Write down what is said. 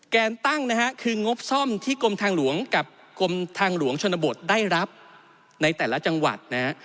แกนตั้งนะฮะคืองบซ่อมที่กรมทางหลวงกับกรมทางหลวงชนบทได้รับในแต่ละจังหวัดนะฮะ